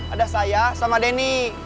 ada saya sama deni